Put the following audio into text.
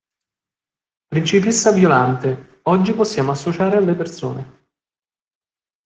Principessa Violante", oggi possiamo associare alle persone.